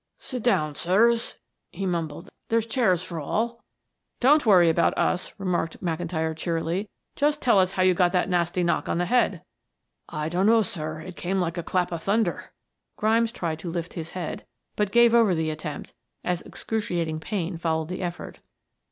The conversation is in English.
"Sit down, sirs," he mumbled. "There's chairs for all." "Don't worry about us," remarked McIntyre cheerily. "Just tell us how you got that nasty knock on the head." "I dunno, sir; it came like a clap o' thunder," Grimes tried to lift his head, but gave over the attempt as excruciating pain followed the effort.